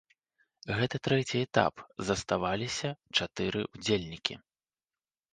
Гэта трэці этап, заставаліся чатыры удзельнікі.